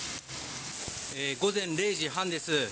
午前０時半です。